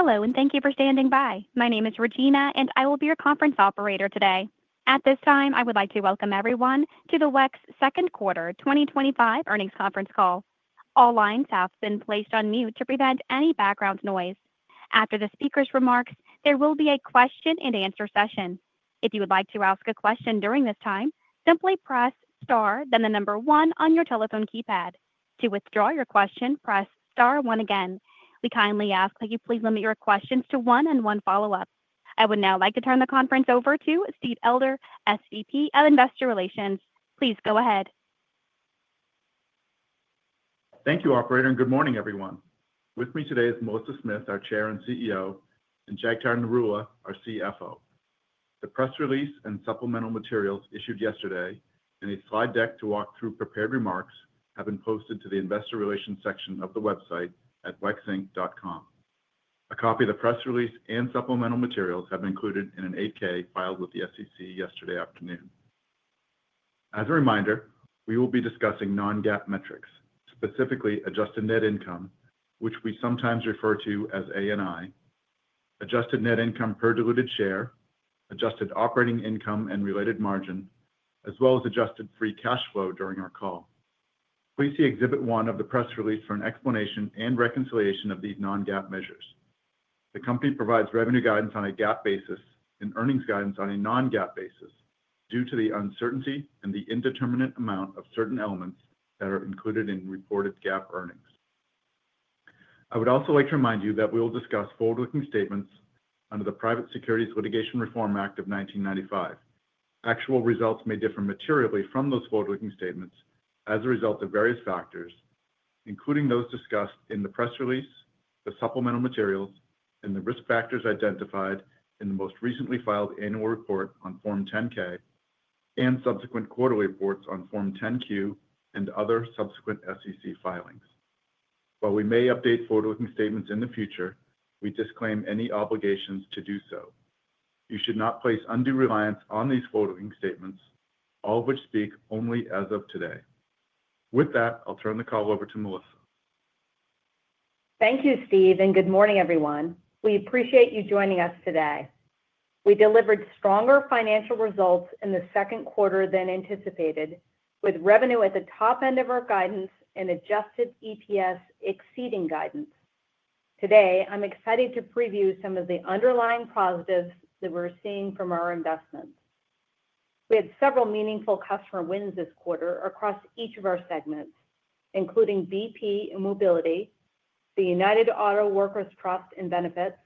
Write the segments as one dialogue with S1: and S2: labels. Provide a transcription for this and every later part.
S1: Hello, and thank you for standing by. My name is Regina, and I will be your conference operator today. At this time, I would like to welcome everyone to the WEX Second Quarter twenty twenty five Earnings Conference Call. All lines have been placed on mute to prevent any background noise. After the speakers' remarks, there will be a question and answer session. I would now like to turn the conference over to Steve Elder, SVP of Investor Relations. Please go ahead.
S2: Thank you, operator, and good morning, everyone. With me today is Melissa Smith, our Chair and CEO and Jagtar Narula, our CFO. The press release and supplemental materials issued yesterday and a slide deck to walk through prepared remarks have been posted to the Investor Relations section of the website at wexinc.com. A copy of the press release and supplemental materials have been included in an eight ks filed with the SEC yesterday afternoon. As a reminder, we will be discussing non GAAP metrics, specifically adjusted net income, which we sometimes refer to as ANI, adjusted net income per diluted share, adjusted operating income and related margin, as well as adjusted free cash flow during our call. Please see Exhibit one of the press release for an explanation and reconciliation of these non GAAP measures. The company provides revenue guidance on a GAAP basis and earnings guidance on a non GAAP basis due to the uncertainty and the indeterminate amount of certain elements that are included in reported GAAP earnings. I would also like to remind you that we will discuss forward looking statements under the Private Securities Litigation Reform Act of 1995. Actual results may differ materially from those forward looking statements as a result of various factors, including those discussed in the press release, the supplemental materials and the risk factors identified in the most recently filed annual report on Form 10 ks and subsequent quarterly reports on Form 10 Q and other subsequent SEC filings. While we may update forward looking statements in the future, we disclaim any obligations to do so. You should not place undue reliance on these forward looking statements, all of which speak only as of today. With that, I'll turn the call over to Melissa.
S3: Thank you, Steve, and good morning, everyone. We appreciate you joining us today. We delivered stronger financial results in second quarter than anticipated with revenue at the top end of our guidance and adjusted EPS exceeding guidance. Today, I'm excited to preview some of the underlying positives that we're seeing from our investments. We had several meaningful customer wins this quarter across each of our segments, including BP and Mobility, the United Auto Workers Trust and Benefits,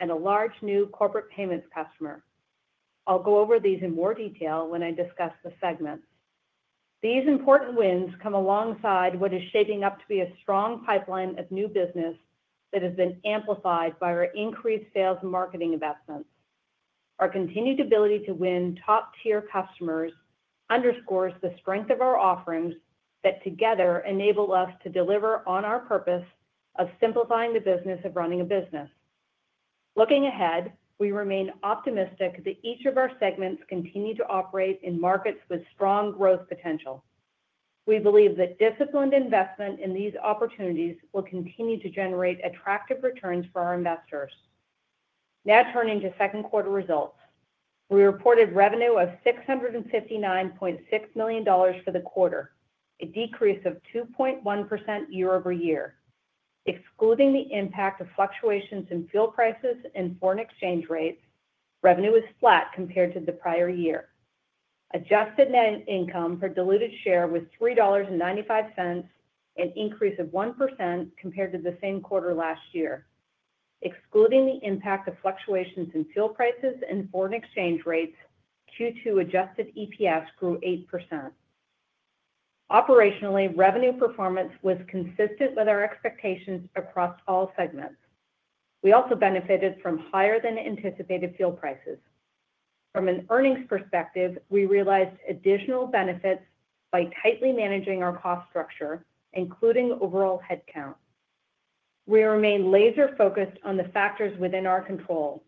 S3: and a large new corporate payments customer. I'll go over these in more detail when I discuss the segments. These important wins come alongside what is shaping up to be a strong pipeline of new business that has been amplified by our increased sales and marketing investments. Our continued ability to win top tier customers underscores the strength of our offerings that together enable us to deliver on our purpose of simplifying the business of running a business. Looking ahead, we remain optimistic that each of our segments continue to operate in markets with strong growth potential. We believe that disciplined investment in these opportunities will continue to generate attractive returns for our investors. Now turning to second quarter results. We reported revenue of $659,600,000 for the quarter, a decrease of 2.1% year over year. Excluding the impact of fluctuations in fuel prices and foreign exchange rates, revenue was flat compared to the prior year. Adjusted net income per diluted share was $3.95 an increase of 1% compared to the same quarter last year. Excluding the impact of fluctuations in fuel prices and foreign exchange rates, Q2 adjusted EPS grew 8%. Operationally, revenue performance was consistent with our expectations across all segments. We also benefited from higher than anticipated fuel prices. From an earnings perspective, we realized additional benefits by tightly managing our cost structure, including overall headcount. We remain laser focused on the factors within our control.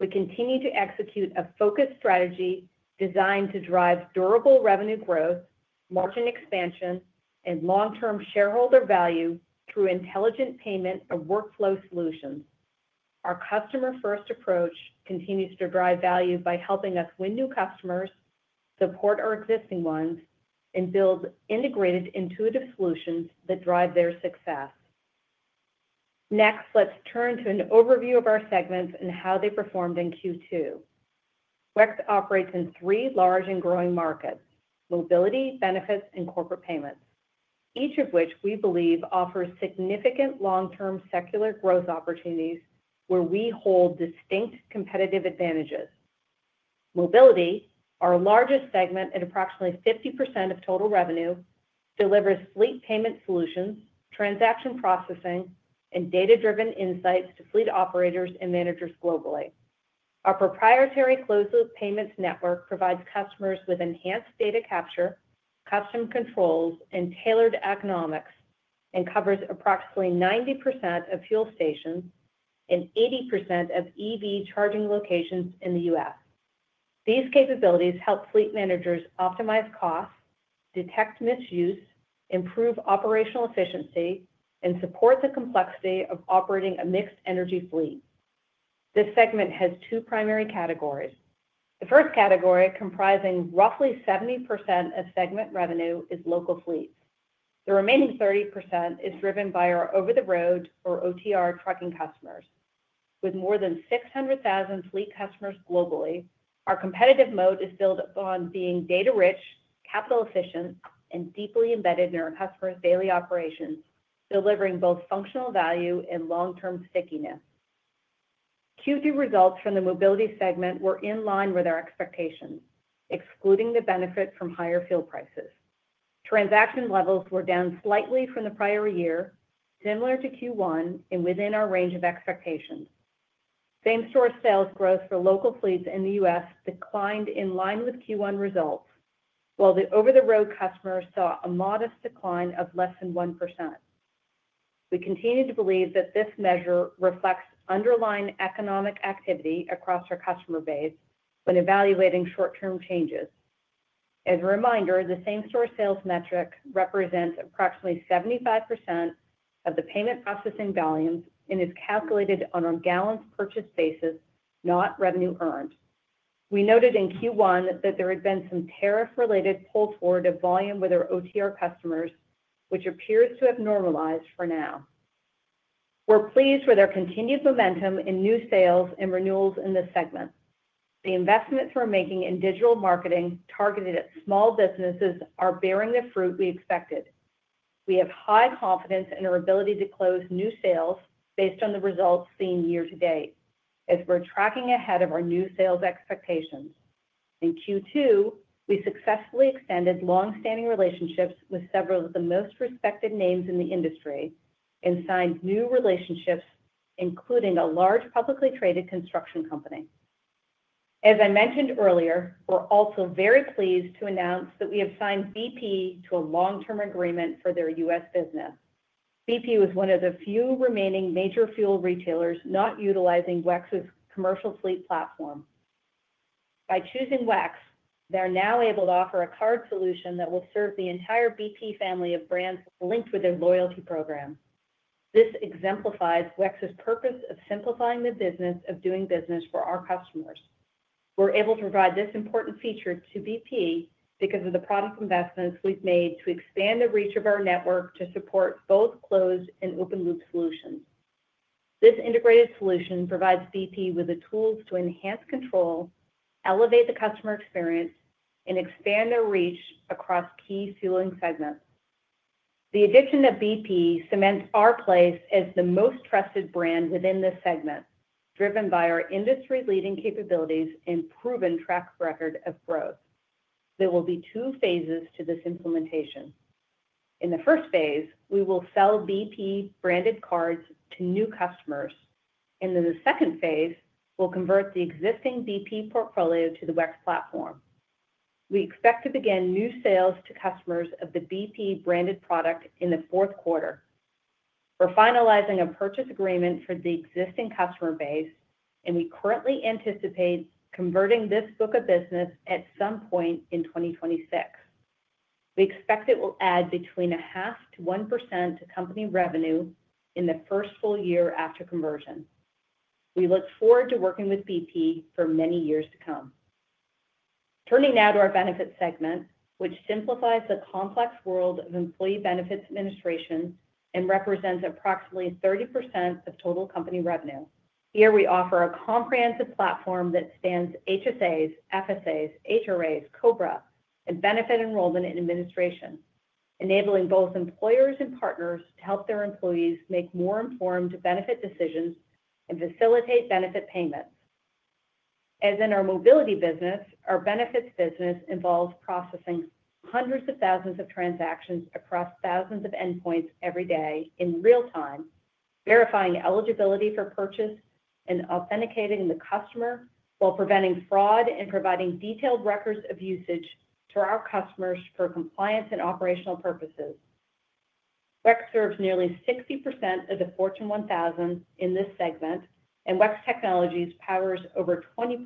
S3: We continue to execute a focused strategy designed to drive durable revenue growth, margin expansion and long term shareholder value through intelligent payment of workflow solutions. Our customer first approach continues to drive value by helping us win new customers, support our existing ones, and build integrated intuitive solutions that drive their success. Next, let's turn to an overview of our segments and how they performed in Q2. WEX operates in three large and growing markets: mobility, benefits and corporate payments, each of which we believe offers significant long term secular growth opportunities where we hold distinct competitive advantages. Mobility, our largest segment at approximately 50% of total revenue, delivers fleet payment solutions, transaction processing and data driven insights to fleet operators and managers globally. Our proprietary closed loop payments network provides customers with enhanced data capture, custom controls, and tailored economics and covers approximately 90% of fuel stations and 80% of EV charging locations in The US. These capabilities help fleet managers optimize cost, detect misuse, improve operational efficiency, and support the complexity of operating a mixed energy fleet. This segment has two primary categories. The first category comprising roughly 70% of segment revenue is local fleet. The remaining 30% is driven by our over the road or OTR trucking customers. With more than 600,000 fleet customers globally, our competitive mode is built upon being data rich, capital efficient and deeply embedded in our customers' daily operations, delivering both functional value and long term stickiness. Q2 results from the mobility segment were in line with our expectations, excluding the benefit from higher fuel prices. Transaction levels were down slightly from the prior year, similar to Q1 and within our range of expectations. Same store sales growth for local fleets in The U. S. Declined in line with Q1 results, while the over the road customers saw a modest decline of less than 1%. We continue to believe that this measure reflects underlying economic activity across our customer base when evaluating short term changes. As a reminder, the same store sales metric represents approximately 75% of the payment processing volumes and is calculated on a gallon purchase basis, not revenue earned. We noted in Q1 that there had been some tariff related pull forward of volume with our OTR customers, which appears to have normalized for now. We're pleased with our continued momentum in new sales and renewals in this segment. The investments we're making in digital marketing targeted at small businesses are bearing the fruit we expected. We have high confidence in our ability to close new sales based on the results seen year to date as we're tracking ahead of our new sales expectations. In q two, we successfully extended long standing relationships with several of the most respected names in the industry and signed new relationships, including a large publicly traded construction company. As I mentioned earlier, we're also very pleased to announce that we have signed BP to a long term agreement for their U. S. Business. BP was one of the few remaining major fuel retailers not utilizing WEX's commercial fleet platform. By choosing WEX, they're now able to offer a card solution that will serve the entire BP family of brands linked with their loyalty program. This exemplifies WEX's purpose of simplifying the business of doing business for our customers. We're able to provide this important feature to BP because of the product investments we've made to expand the reach of our network to support both closed and open loop solutions. This integrated solution provides BP with the tools to enhance control, elevate the customer experience, and expand their reach across key fueling segments. The addition of BP cements our place as the most trusted brand within this segment, driven by our industry leading capabilities and proven track record of growth. There will be two phases to this implementation. In the first phase, we will sell BP branded cards to new customers. And in the second phase, we'll convert the existing BP portfolio to the WEX platform. We expect to begin new sales to customers of the BP branded product in the fourth quarter. We're finalizing a purchase agreement for the existing customer base, and we currently anticipate converting this book of business at some point in 2026. We expect it will add between a half to 1% to company revenue in the first full year after conversion. We look forward to working with BP for many years to come. Turning now to our benefit segment, which simplifies the complex world of employee benefits administration and represents approximately 30% of total company revenue. Here, we offer a comprehensive platform that spans HSAs, FSAs, HRAs, COBRA, and benefit enrollment and administration, enabling both employers and partners to help their employees make more informed benefit decisions and facilitate benefit payments. As in our mobility business, our benefits business involves processing hundreds of thousands of transactions across thousands of endpoints every day in real time, verifying eligibility for purchase and authenticating the customer while preventing fraud and providing detailed records of usage to our customers for compliance and operational purposes. WEX serves nearly 60% of the Fortune 1,000 in this segment, and WEX Technologies powers over 20%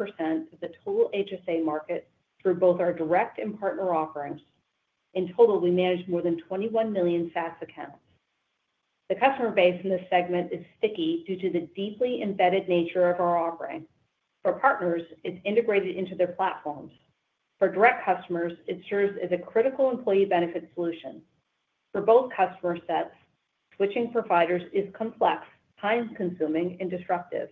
S3: of the total HSA market through both our direct and partner offerings. In total, we manage more than 21,000,000 SaaS accounts. The customer base in this segment is sticky due to the deeply embedded nature of our offering. For partners, it's integrated into their platforms. For direct customers, it serves as a critical employee benefit solution. For both customer sets, switching providers is complex, time consuming, and disruptive.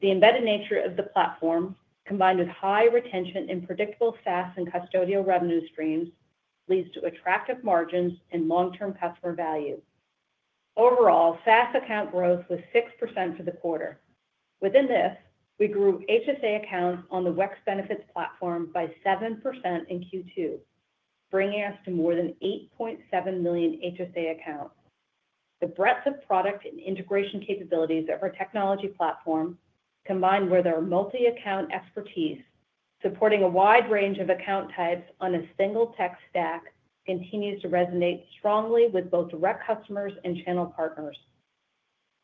S3: The embedded nature of the platform, combined with high retention in predictable SaaS and custodial revenue streams, leads to attractive margins and long term customer value. Overall, SaaS account growth was six percent for the quarter. Within this, we grew HSA accounts on the WEX benefits platform by 7% in Q2, bringing us to more than 8,700,000 HSA accounts. The breadth of product and integration capabilities of our technology platform combined with our multi account expertise, supporting a wide range of account types on a single tech stack continues to resonate strongly with both direct customers and channel partners.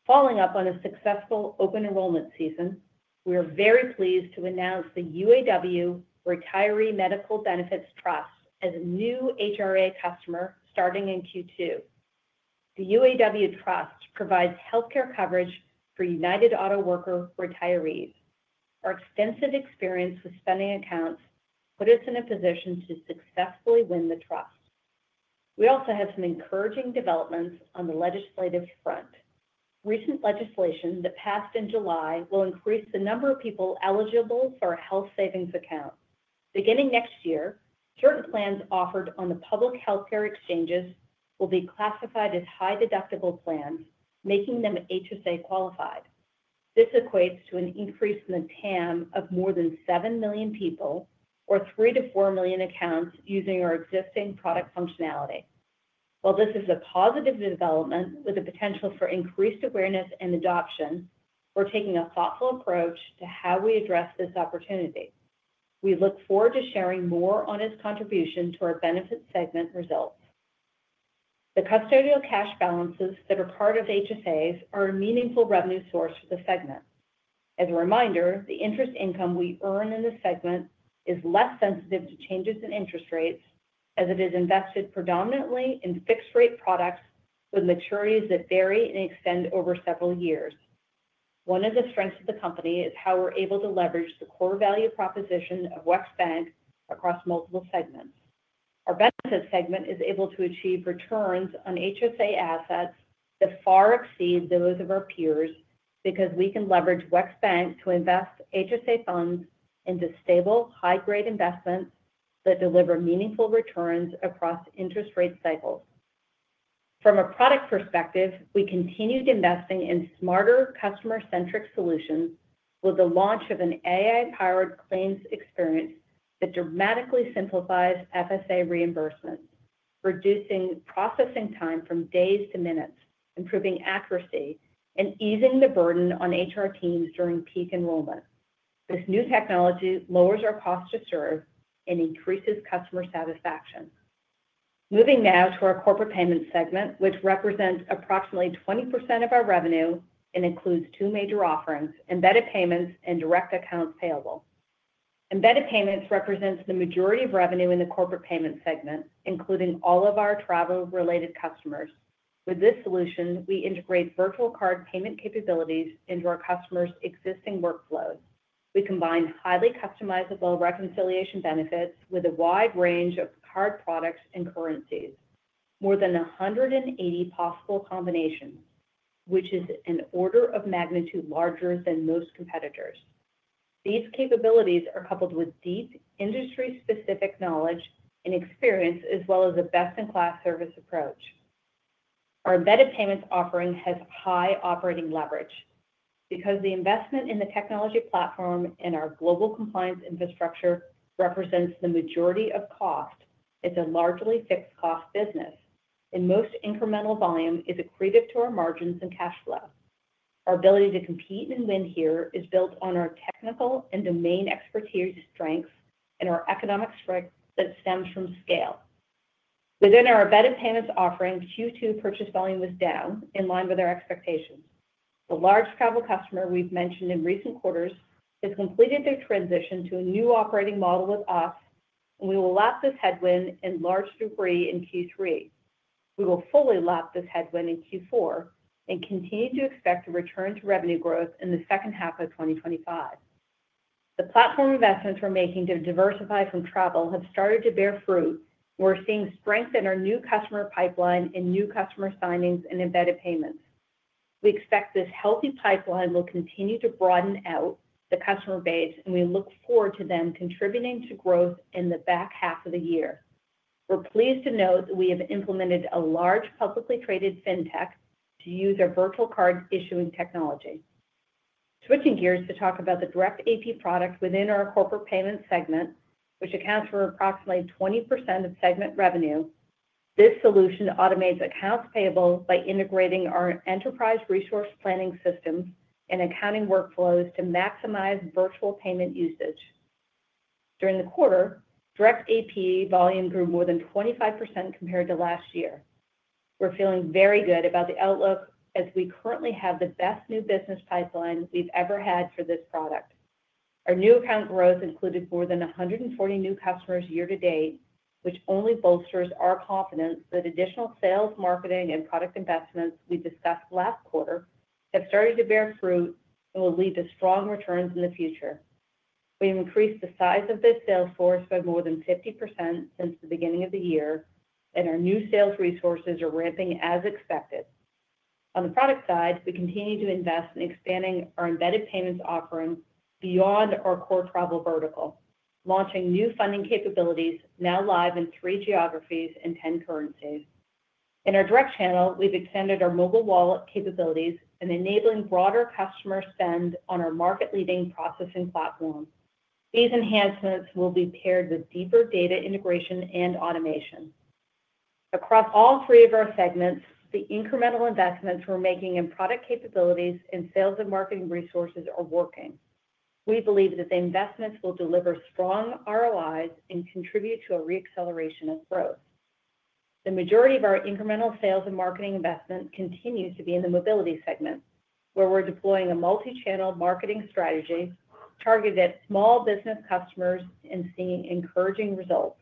S3: Following up on a successful open enrollment season, we are very pleased to announce the UAW Retiree Medical Benefits Trust as a new HRA customer starting in q two. The UAW Trust provides health care coverage for United Auto Worker retirees. Our extensive experience with spending accounts put us in a position to successfully win the trust. We also have some encouraging developments on the legislative front. Recent legislation that passed in July will increase the number of people eligible for health savings account. Beginning next year, certain plans offered on the public health care exchanges will be classified as high deductible plans, making them HSA qualified. This equates to an increase in the TAM of more than 7,000,000 people or three to 4,000,000 accounts using our existing product functionality. While this is a positive development with the potential for increased awareness and adoption, we're taking a thoughtful approach to how we address this opportunity. We look forward to sharing more on its contribution to our benefit segment results. The custodial cash balances that are part of HSAs are a meaningful revenue source for the segment. As a reminder, the interest income we earn in this segment is less sensitive to changes in interest rates as it is invested predominantly in fixed rate products with maturities that vary and extend over several years. One of the strengths of the company is how we're able to leverage the core value proposition of WEX Bank across multiple segments. Our Benefits segment is able to achieve returns on HSA assets that far exceed those of our peers because we can leverage WEX Bank to invest HSA funds into stable high grade investments that deliver meaningful returns across interest rate cycles. From a product perspective, we continued investing in smarter customer centric solutions with the launch of an AI powered claims experience that dramatically simplifies FSA reimbursement, reducing processing time from days to minutes, improving accuracy and easing the burden on HR teams during peak enrollment. This new technology lowers our cost to serve and increases customer satisfaction. Moving now to our corporate payment segment, which represents approximately 20% of our revenue and includes two major offerings, embedded payments and direct accounts payable. Embedded payments represents the majority of revenue in the corporate payment segment, including all of our travel related customers. With this solution, we integrate virtual card payment capabilities into our customers' existing workflows. We combine highly customizable reconciliation benefits with a wide range of card products and currencies, more than a 180 possible combinations, which is an order of magnitude larger than most competitors. These capabilities are coupled with deep industry specific knowledge and experience as well as a best in class service approach. Our embedded payments offering has high operating leverage. Because the investment in the technology platform and our global compliance infrastructure represents the majority of cost, It's a largely fixed cost business, and most incremental volume is accretive to our margins and cash flow. Our ability to compete and win here is built on our technical and domain expertise strengths and our economic strength that stems from scale. Within our embedded payments offering, q two purchase volume was down, in line with our expectations. The large travel customer we've mentioned in recent quarters has completed their transition to a new operating model with us, and we will lap this headwind in large degree in q three. We will fully lap this headwind in q four and continue to expect to return to revenue growth in the second half of twenty twenty five. The platform investments we're making to diversify from travel have started to bear fruit. We're seeing strength in our new customer pipeline and new customer signings and embedded payments. We expect this healthy pipeline will continue to broaden out the customer base, and we look forward to them contributing to growth in the back half of the year. We're pleased to note that we have implemented a large publicly traded fintech to use our virtual card issuing technology. Switching gears to talk about the direct AP product within our corporate payment segment, which accounts for approximately 20% of segment revenue. This solution automates accounts payable by integrating our enterprise resource planning systems and accounting workflows to maximize virtual payment usage. During the quarter, direct AP volume grew more than 25% compared to last year. We're feeling very good about the outlook as we currently have the best new business pipeline we've ever had for this product. Our new account growth included more than a 140 new customers year to date, which only bolsters our confidence that additional sales, marketing, and product investments we discussed last quarter have started to bear fruit and will lead to strong returns in the future. We increased the size of this sales force by more than 50% since the beginning of the year, and our new sales resources are ramping as expected. On the product side, we continue to invest in expanding our embedded payments offering beyond our core travel vertical, launching new funding capabilities now live in three geographies and 10 currencies. In our direct channel, we've extended our mobile wallet capabilities and enabling broader customer spend on our market leading processing platform. These enhancements will be paired with deeper data integration and automation. Across all three of our segments, the incremental investments we're making in product capabilities and sales and marketing resources are working. We believe that the investments will deliver strong ROIs and contribute to a reacceleration of growth. The majority of our incremental sales and marketing investment continues to be in the mobility segment, where we're deploying a multichannel marketing strategy targeted at small business customers and seeing encouraging results.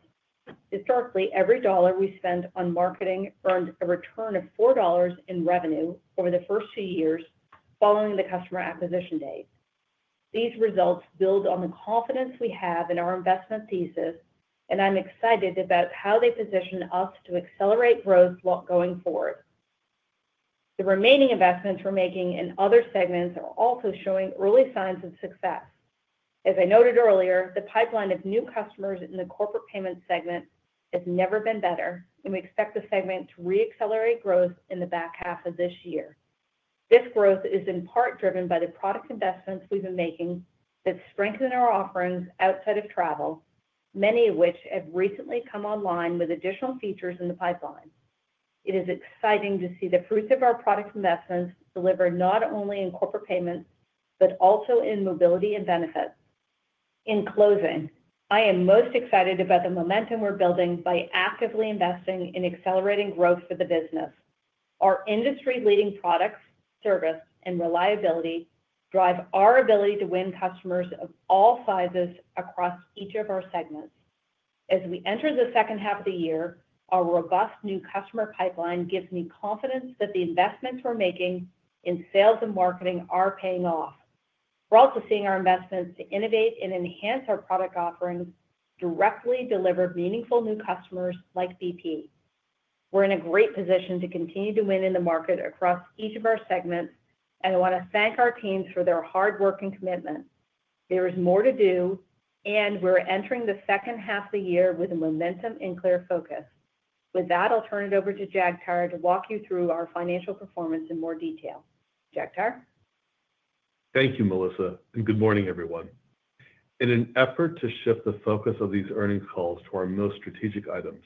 S3: Historically, every dollar we spend on marketing earned a return of $4 in revenue over the first two years following the customer acquisition date. These results build on the confidence we have in our investment thesis, and I'm excited about how they position us to accelerate growth going forward. The remaining investments we're making in other segments are also showing early signs of success. As I noted earlier, the pipeline of new customers in the Corporate Payments segment has never been better, and we expect the segment to reaccelerate growth in the back half of this year. This growth is in part driven by the product investments we've been making that strengthen our offerings outside of travel, many of which have recently come online with additional features in the pipeline. It is exciting to see the fruits of our product investments delivered not only in corporate payments, but also in mobility and benefits. In closing, I am most excited about the momentum we're building by actively investing in accelerating growth for the business. Our industry leading products, service, and reliability drive our ability to win customers of all sizes across each of our segments. As we enter the second half of the year, our robust new customer pipeline gives me confidence that the investments we're making in sales and marketing are paying off. We're also seeing our investments to innovate and enhance our product offerings, directly deliver meaningful new customers like BP. We're in a great position to continue to win in the market across each of our segments, and I wanna thank our teams for their hard work and commitment. There is more to do, and we're entering the second half of the year with a momentum and clear focus. With that, I'll turn it over to Jagttar to walk you through our financial performance in more detail. Jagttar?
S4: Thank you, Melissa, and good morning, everyone. In an effort to shift the focus of these earnings calls to our most strategic items,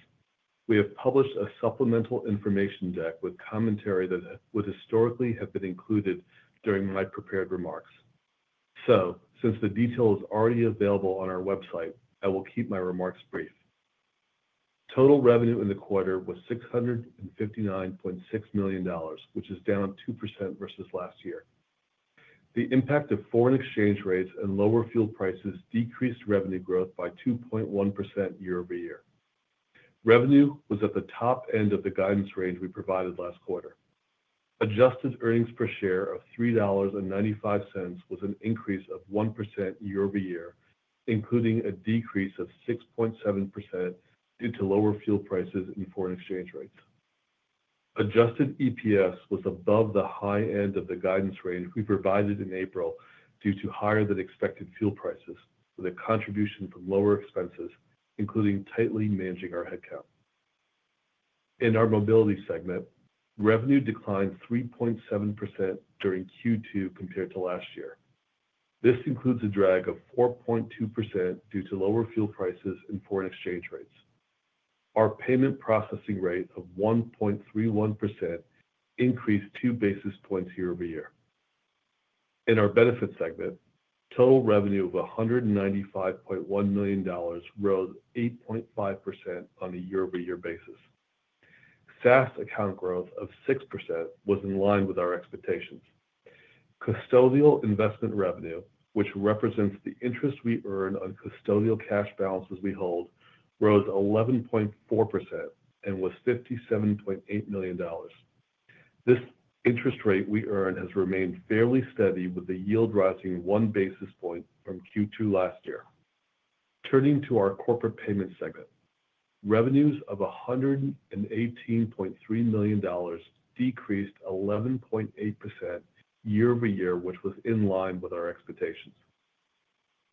S4: we have published a supplemental information deck with commentary that would historically have been included during my prepared remarks. So since the detail is already available on our website, I will keep my remarks brief. Total revenue in the quarter was $659,600,000 which is down 2% versus last year. The impact of foreign exchange rates and lower fuel prices decreased revenue growth by 2.1% year over year. Revenue was at the top end of the guidance range we provided last quarter. Adjusted earnings per share of $3.95 was an increase of 1% year over year, including a decrease of 6.7% due to lower fuel prices and foreign exchange rates. Adjusted EPS was above the high end of the guidance range we provided in April due to higher than expected fuel prices with a contribution from lower expenses including tightly managing our headcount. In our Mobility segment, revenue declined 3.7% during Q2 compared to last year. This includes a drag of 4.2% due to lower fuel prices and foreign exchange rates. Our payment processing rate of 1.31% increased two basis points year over year. In our Benefits segment, total revenue of $195,100,000 rose 8.5 on a year over year basis. SaaS account growth of 6% was in line with our expectations. Custodial investment revenue, which represents the interest we earn on custodial cash balances we hold, rose 11.4% and was $57,800,000 This interest rate we earn has remained fairly steady with the yield rising one basis point from Q2 last year. Turning to our Corporate Payments segment. Revenues of $118,300,000 decreased 11.8% year over year, which was in line with our expectations.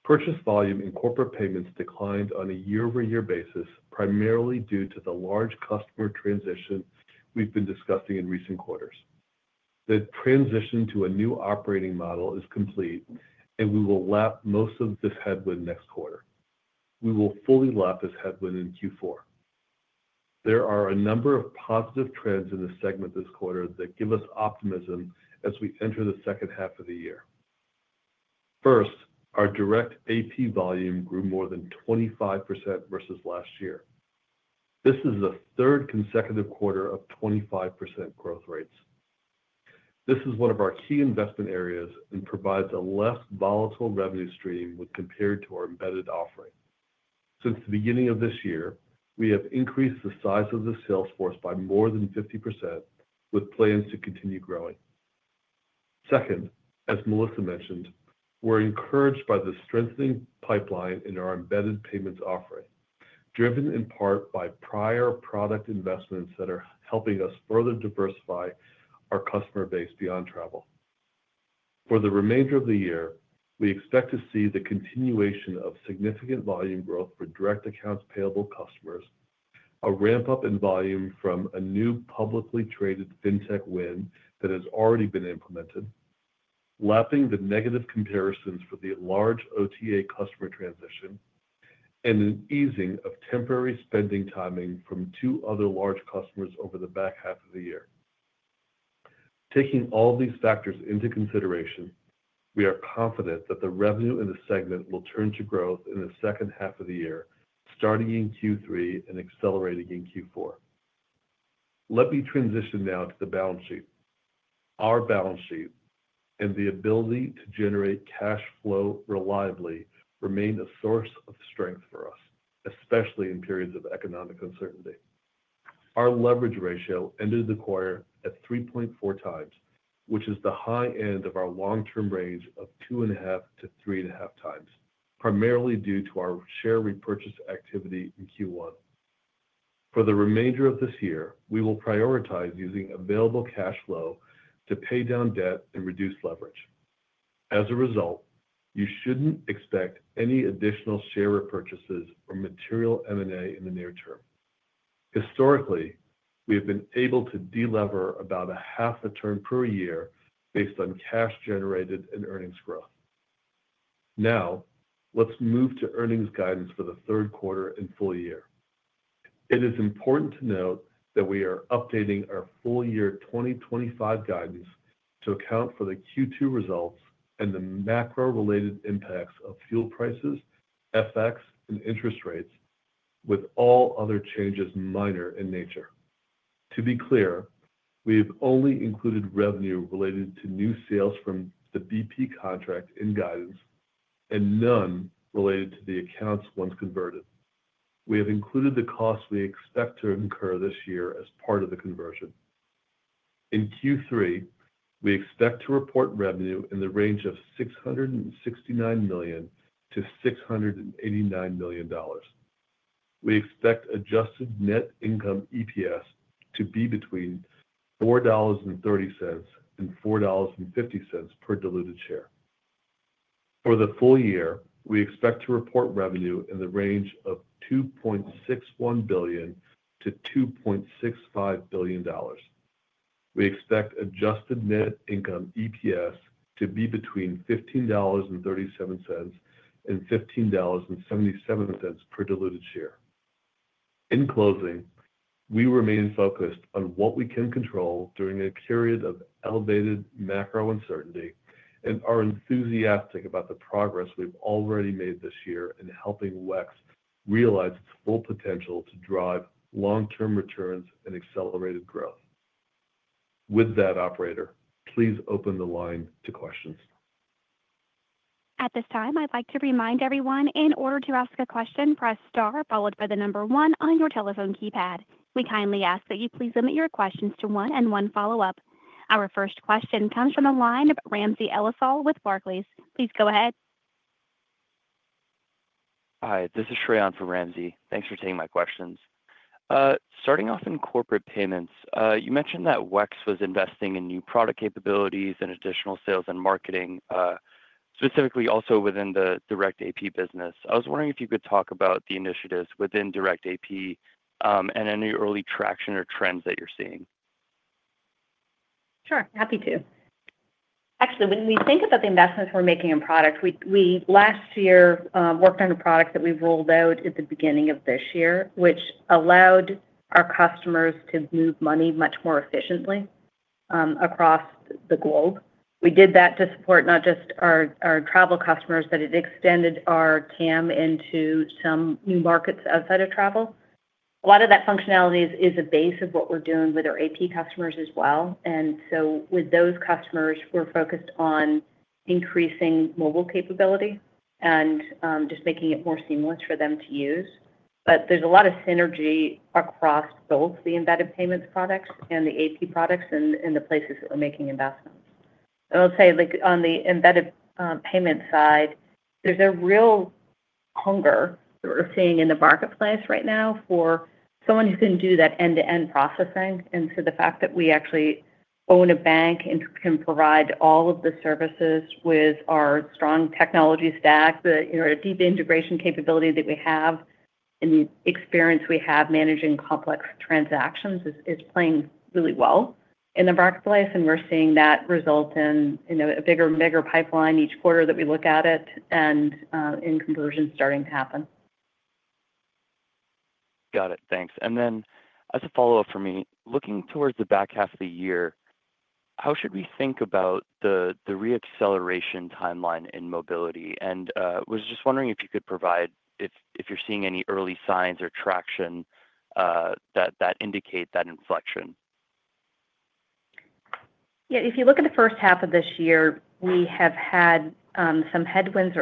S4: Purchase volume in Corporate Payments declined on a year over year basis, primarily due to the large customer transition we've been discussing in recent quarters. The transition to a new operating model is complete and we will lap most of this headwind next quarter. We will fully lap this headwind in Q4. There are a number of positive trends in this segment this quarter that give us optimism as we enter the second half of the year. First, our direct AP volume grew more than 25% versus last year. This is the third consecutive quarter of twenty five percent growth rates. This is one of our key investment areas and provides a less volatile revenue stream when compared to our embedded offering. Since the beginning of this year, we have increased the size of the sales force by more than 50% with plans to continue growing. Second, as Melissa mentioned, we're encouraged by the strengthening pipeline in our embedded payments offering, driven in part by prior product investments that are helping us further diversify our customer base beyond travel. For the remainder of the year, we expect to see the continuation of significant volume growth for direct accounts payable customers, a ramp up in volume from a new publicly traded fintech win that has already been implemented, lapping the negative comparisons for the large OTA customer transition and an easing of temporary spending timing from two other large customers over the back half of the year. Taking all these factors into consideration, we are confident that the revenue in the segment will turn to growth in the second half of the year starting in Q3 and accelerating in Q4. Let me transition now to the balance sheet. Our balance sheet and the ability to generate cash flow reliably remain a source of strength for us, especially in periods of economic uncertainty. Our leverage ratio ended the quarter at 3.4 times, which is the high end of our long term range of 2.5 to 3.5 times, primarily due to our share repurchase activity in Q1. For the remainder of this year, we will prioritize using available cash flow to pay down debt and reduce leverage. As a result, you shouldn't expect any additional share repurchases or material M and A in the near term. Historically, we have been able to delever about zero five turn per year based on cash generated and earnings growth. Now let's move to earnings guidance for the third quarter and full year. It is important to note that we are updating our full year 2025 guidance to account for the Q2 results and the macro related impacts of fuel prices, FX and interest rates with all other changes minor in nature. To be clear, we have only included revenue related to new sales from the BP contract in guidance and none related to the accounts once converted. We have included the costs we expect to incur this year as part of the conversion. In Q3, we expect to report revenue in the range of $669,000,000 to $689,000,000 We expect adjusted net income EPS to be between $4.3 and $4.5 per diluted share. For the full year, we expect to report revenue in the range of $2,610,000,000 to $2,650,000,000 We expect adjusted net income EPS to be between $15.37 and $15.77 per diluted share. In closing, we remain focused on what we can control during a period of elevated macro uncertainty and are enthusiastic about the progress we've already made this year in helping WEX realize its full potential to drive long term returns and accelerated growth. With that operator, please open the line to questions.
S1: Our first question comes from the line of Ramsey El Assal with Barclays. Please go ahead.
S5: Hi. This is Shrey on for Ramsey. Thanks for taking my questions. Starting off in corporate payments, you mentioned that WEX was investing in new product capabilities and additional sales and marketing, specifically also within the DirectAP business. I was wondering if you could talk about the initiatives within DirectAP, and any early traction or trends that you're seeing.
S3: Sure. Happy to. Actually, when we think about the investments we're making in products, we we, last year, worked on a product that we've rolled out at the beginning of this year, which allowed our customers to move money much more efficiently across the globe. We did that to support not just our our travel customers, but it extended our TAM into some new markets outside of travel. A lot of that functionality is is a base of what we're doing with our AP customers as well. And so with those customers, we're focused on increasing mobile capability and just making it more seamless for them to use. But there's a lot of synergy across both the embedded payments products and the AP products in in the places that we're making investments. I'll say, like, on the embedded, payment side, there's a real hunger that we're seeing in the marketplace right now for someone who can do that end to end processing. And so the fact that we actually own a bank and can provide all of the services with our strong technology stack, you know, deep integration capability that we have and the experience we have managing complex transactions is is playing really well in the marketplace, and we're seeing that result in, you know, a bigger and bigger pipeline each quarter that we look at it and, in conversion starting to happen.
S5: Got it. Thanks. And then as a follow-up for me, looking towards the back half of the year, how should we think about the the reacceleration timeline in mobility? And I was just wondering if you could provide if if you're seeing any early signs or traction that indicate that inflection.
S3: Yes. If you look at the first half of this year, we have had some headwinds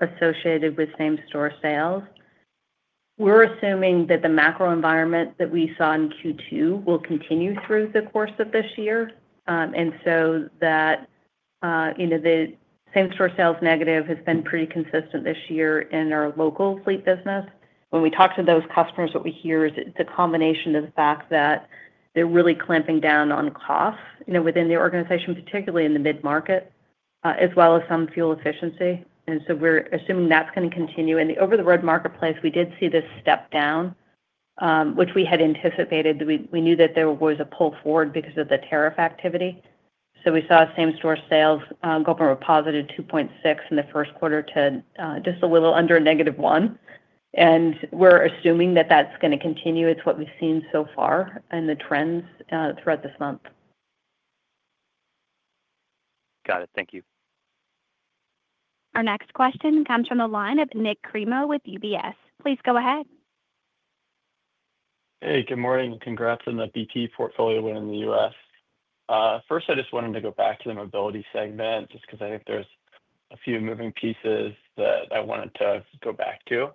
S3: associated with same store sales. We're assuming that the macro environment that we saw in Q2 will continue through the course of this year. And so that the same store sales negative has been pretty consistent this year in our local fleet business. When we talk to those customers, what we hear is the combination of the fact that they're really clamping down on costs within the organization, particularly in the mid market, as well as some fuel efficiency. And so we're assuming that's going to continue. In the over the road marketplace, we did see this step down, which we had anticipated. We knew that there was a pull forward because of the tariff activity. So we saw same store sales, go from a positive 2.6 in the first quarter to, just a little under negative one. And we're assuming that that's going to continue. It's what we've seen so far in the trends throughout this month.
S5: Got it. Thank you.
S1: Our next question comes from the line of Nick Cremo with UBS. Please go ahead.
S6: Hey, good morning. Congrats on the BT portfolio win in The U. S. First, I just wanted to go back to the Mobility segment just because I think there's a few moving pieces that I wanted to go back to.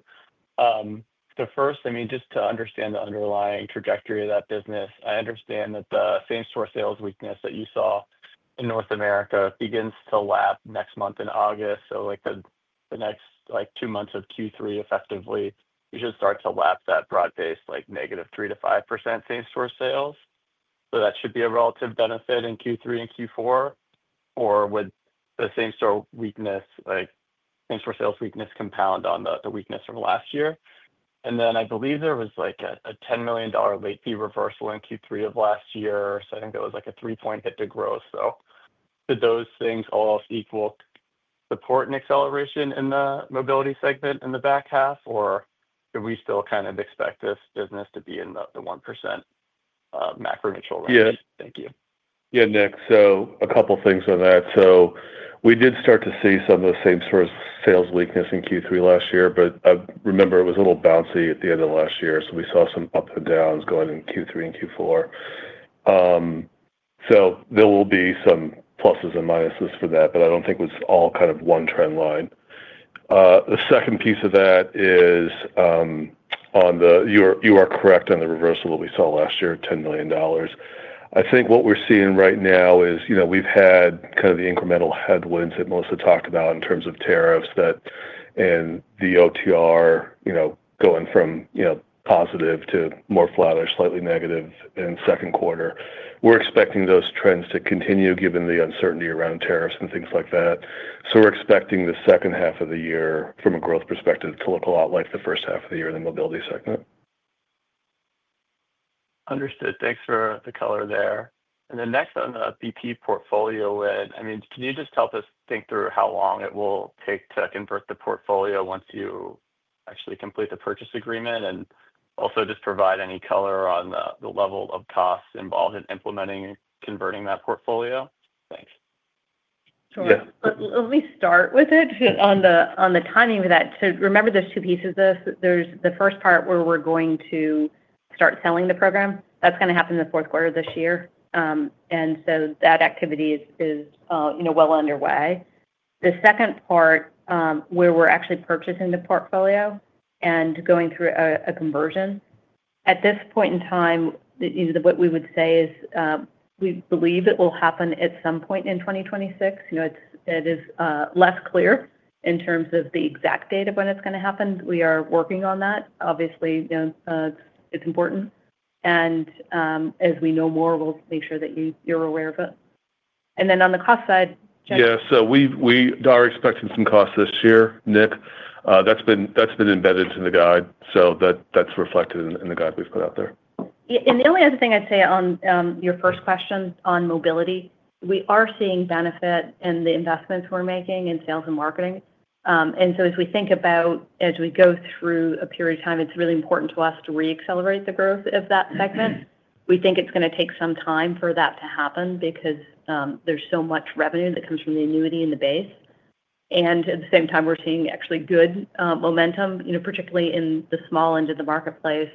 S6: The first, I mean, just to understand the underlying trajectory of that business, I understand that the same store sales weakness that you saw in North America begins to lap next month in August. So, like, the the next, like, two months of q three effectively, you should start to lap that broad based, like, negative three to 5% same store sales. So that should be a relative benefit in q three and q four, or would the same store weakness, like, same store sales weakness compound on the the weakness from last year? And then I believe there was, like, a a $10,000,000 late fee reversal in q three of last year, so I think there was, a three point hit to grow. So did those things all equal support an acceleration in the mobility segment in the back half, or do we still kind of expect this business to be in the 1% macro neutral range?
S4: Yes. Yes, Nick. So a couple of things on that. So we did start to see some of the same store sales weakness in Q3 last year. But remember, it was a little bouncy at the end of last year, so we saw some ups and downs going in Q3 and Q4. So there will be some pluses and minuses for that, but I don't think it was all kind of one trend line. The second piece of that is on the you are correct on the reversal of we saw last year, 10,000,000. I think what we're seeing right now is we've had kind of the incremental headwinds that Melissa talked about in terms of tariffs that and the OTR going from positive to more flat or slightly negative in second quarter. We're expecting those trends to continue given the uncertainty around tariffs and things like that. So we're expecting the second half of the year from a growth perspective to look a lot like the first half of the year in the mobility segment.
S6: Understood. Thanks for the color there. And then next on the PPE portfolio, I mean, can you just help us think through how long it will take to convert the portfolio once you actually complete the purchase agreement? And also just provide any color on the level of costs involved in implementing and converting that portfolio? Thanks.
S3: Sure. Let me start with it on the on the timing of that. So remember, there's two pieces of this. There's the first part where we're going to start selling the program. That's gonna happen in the fourth quarter of this year. And so that activity is is, you know, well underway. The second part, where we're actually purchasing the portfolio and going through a conversion, at this point in time, what we would say is we believe it will happen at some point in 2026. You know, it's it is less clear in terms of the exact date of when it's gonna happen. We are working on that. Obviously, you know, it's important. And, as we know more, we'll make sure that you you're aware of it. And then on the cost side,
S4: Jen So we we are expecting some costs this year, Nick. That's been that's been embedded in the guide, So that's reflected in the guide we've put out there.
S3: And the only other thing I'd say on your first question on mobility, we are seeing benefit in the investments we're making in sales and marketing. And so as we think about as we go through a period of time, it's really important to us to reaccelerate the growth of that segment. We think it's gonna take some time for that to happen because there's so much revenue that comes from the annuity in the base. And at the same time, we're seeing actually good momentum, particularly in the small end of the marketplace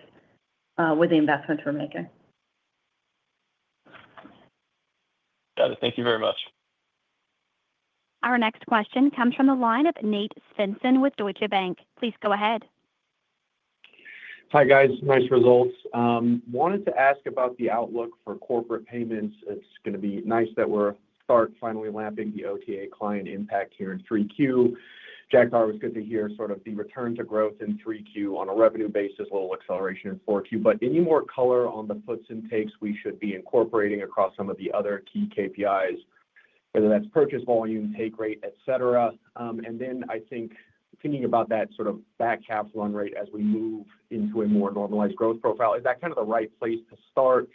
S3: with the investments we're making.
S6: Got it. Thank you very much.
S1: Our next question comes from the line of Nate Svensson with Deutsche Bank. Please go ahead.
S7: Hi, guys. Nice results. Wanted to ask about the outlook for corporate payments. It's going to be nice that we're start finally lapping the OTA client impact here in 3Q. Jack, it was good to hear sort of the return to growth in 3Q on a revenue basis, a little acceleration in 4Q. But any more color on the puts and takes we should be incorporating across some of the other key KPIs, whether that's purchase volume, take rate, etcetera? And then I think thinking about that sort of back half run rate as we move into a more normalized growth profile, is that kind of the right place to start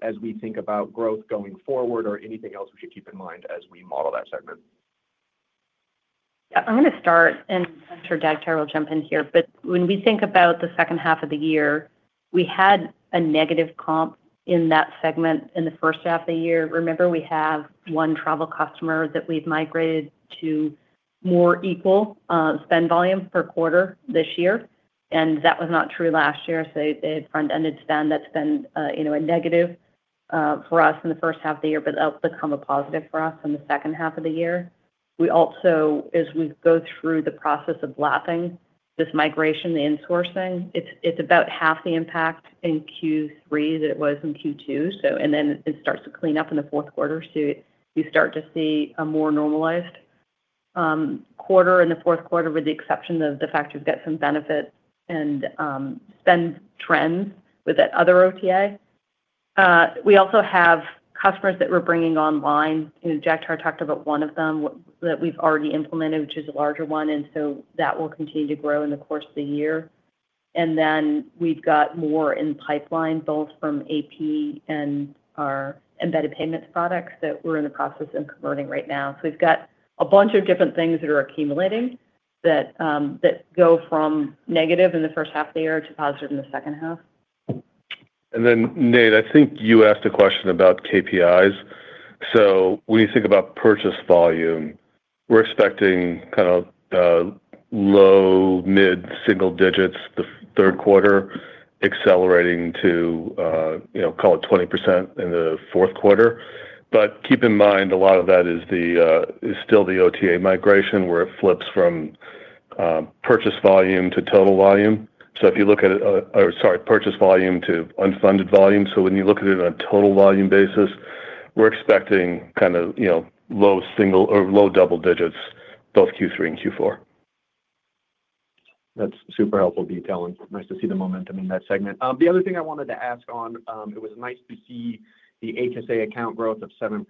S7: as we think about growth going forward? Or anything else we should keep in mind as we model that segment?
S3: I'm going to start and I'm sure Dagtayo will jump in here. But when we think about the second half of the year, we had a negative comp in that segment in the first half of the year. Remember, we have one travel customer that we've migrated to more equal spend volume per quarter this year, and that was not true last year. So they they had front ended spend that's been, you know, a negative for us in the first half of the year, but that'll become a positive for us in the second half of the year. We also as we go through the process of lapping this migration, the insourcing, it's it's about half the impact in q three that it was in q two. So and then it starts to clean up in the fourth quarter, so you start to see a more normalized, quarter in the fourth quarter with the exception of the fact you've got some benefit and, spend trends with that other OTA. We also have customers that we're bringing online. Jack talked about one of them that we've already implemented, which is a larger one, and so that will continue to grow in the course of the year. And then we've got more in pipeline both from AP and our embedded payments products that we're in the process of converting right now. So we've got a bunch of different things that are accumulating that, that go from negative in the first half of the year to positive in the second half.
S4: And then, Nate, I think you asked a question about KPIs. So when you think about purchase volume, we're expecting kind of low mid single digits the third quarter accelerating to call it 20% in the fourth quarter. But keep in mind a lot of that is still the OTA migration where it flips from purchase volume to total volume. So if you look at it sorry, purchase volume to unfunded volume. So when you look at it on a total volume basis, we're expecting kind of low single or low double digits both Q3 and Q4.
S7: That's super helpful detail and nice to see the momentum in that segment. The other thing I wanted to ask on, it was nice to see the HSA account growth of 7%.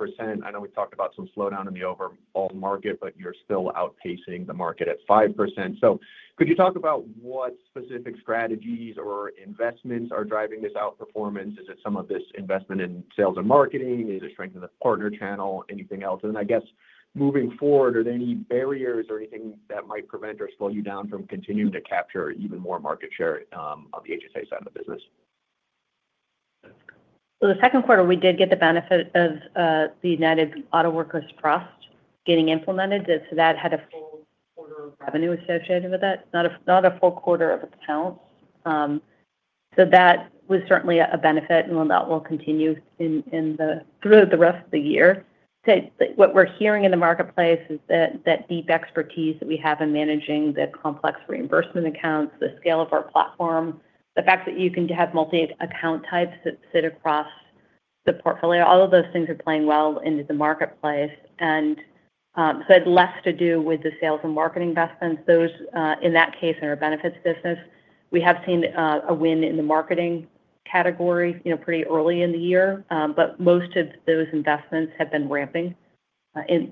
S7: I know we talked about some slowdown in the overall market, but you're still outpacing the market at 5%. So could you talk about what specific strategies or investments are driving Is it some of this investment in sales and marketing? Is it strength in the partner channel? Anything else? And I guess moving forward, are there any barriers or anything that might prevent or slow you down from continuing to capture even more market share on the HSA side of the business?
S3: So the second quarter, we did get the benefit of the United Auto Workers Trust getting implemented. So that had a full quarter of revenue associated with that, not a not a full quarter of accounts. So that was certainly a benefit, and that will continue in in the through the rest of the year. So what we're hearing in the marketplace is that that deep expertise that we have in managing the complex reimbursement accounts, the scale of our platform, the fact that you can have multi account types that sit across the portfolio, all of those things are playing well into the marketplace. And, so it's less to do with the sales and marketing investments. Those, in that case, in our benefits business, we have seen a win in the marketing category, you know, pretty early in the year. But most of those investments have been ramping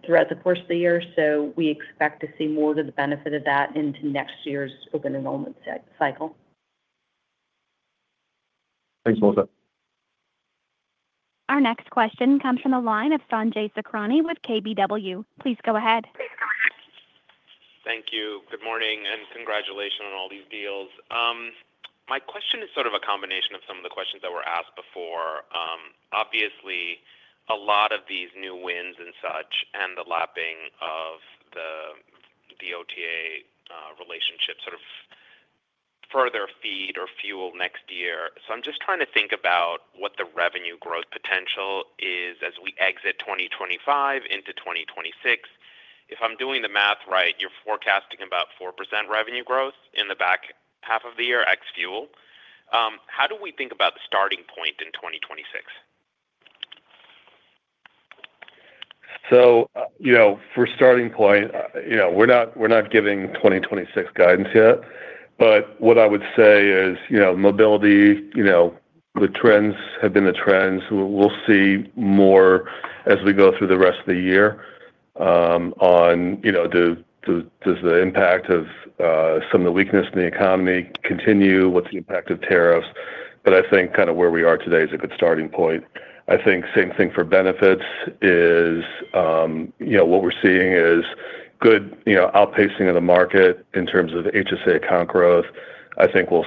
S3: throughout the course of the year, so we expect to see more of the benefit of that into next year's open enrollment cycle.
S7: Thanks, Melissa.
S1: Our next question comes from the line of Sanjay Sakhrani with KBW. Please go ahead.
S8: Thank you. Good morning, and congratulations on all these deals. My question is sort of a combination of some of the questions that were asked before. Obviously, a lot of these new wins and such and the lapping of the OTA relationship sort of further feed or fuel next year. So I'm just trying to think about what the revenue growth potential is as we exit 2025 into 2026. If I'm doing the math right, you're forecasting about 4% revenue growth in the back half of the year ex fuel. How do we think about the starting point in 2026?
S4: So, you know, for starting point, you know, we're not we're not giving 2026 guidance yet. But what I would say is mobility, the trends have been the trends. We'll see more as we go through the rest of the year on does the impact of some of the weakness in the economy continue? What's the impact of tariffs? But I think kind of where we are today is a good starting point. I think same thing for benefits is what we're seeing is good outpacing of the market in terms of HSA account growth. I think we'll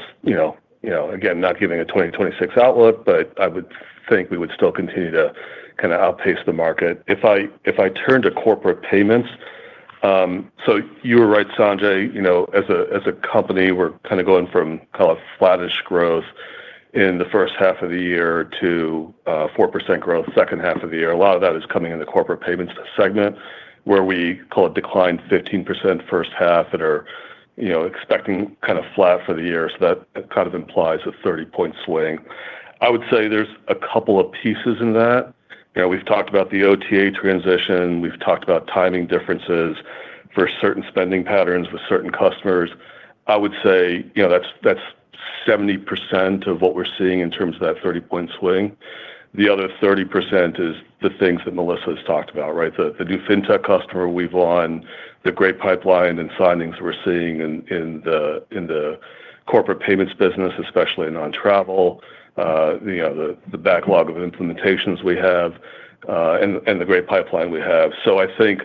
S4: again, not giving a 2026 outlook, but I would think we would still continue to kind of outpace the market. If I turn to corporate payments so you're right Sanjay, as a company we're kind of going from call it flattish growth in the first half of the year to 4% growth second half of the year. A lot of that is coming in the corporate payments segment where we call it declined 15% first half and are expecting kind of flat for the year. So that kind of implies a 30 swing. I would say there's a couple of pieces in that. We've talked about the OTA transition. We've talked about timing differences for certain spending patterns with certain customers. I would say that's 70% of what we're seeing in terms of that 30 swing. The other 30% is the things that Melissa has talked about, right? The new fintech customer we've won, the great pipeline and signings we're seeing in the corporate payments business, especially in non travel, the backlog of implementations we have, and the great pipeline we have. So I think